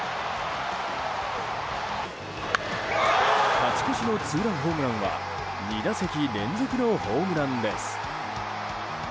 勝ち越しのツーランホームランは２打席連続のホームランです。